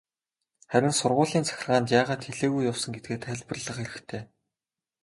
Харин сургуулийн захиргаанд яагаад хэлээгүй явсан гэдгээ тайлбарлах хэрэгтэй.